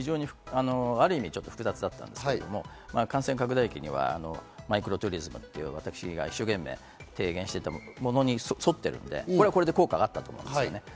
ある意味複雑だったんですけど、感染拡大域ではマイクロツーリズムっていう、私が一生懸命、提言していたものに沿ってるんで、これはこれで効果があったんです。